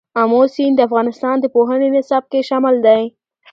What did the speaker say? آمو سیند د افغانستان د پوهنې نصاب کې شامل دی.